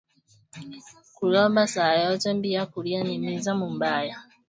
Ku lomba saa yote bia kuria ni miza mubaya